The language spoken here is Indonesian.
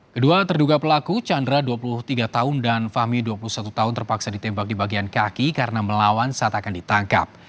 kedua terduga pelaku chandra dua puluh tiga tahun dan fahmi dua puluh satu tahun terpaksa ditembak di bagian kaki karena melawan saat akan ditangkap